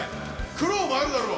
苦労もあるだろう。